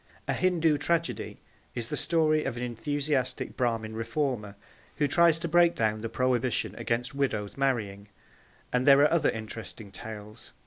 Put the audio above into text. A Hindoo Tragedy is the story of an enthusiastic Brahmin reformer who tries to break down the prohibition against widows marrying, and there are other interesting tales.